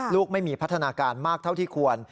ลูกไม่มีพัฒนาการมากเท่าที่ควร